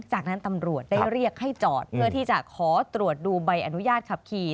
จากนั้นตำรวจได้เรียกให้จอดเพื่อที่จะขอตรวจดูใบอนุญาตขับขี่